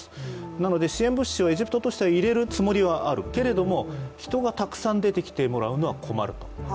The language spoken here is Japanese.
なので支援物資をエジプトとしては入れるつもりはある、だけど人がたくさん出てきてしまっては困ると。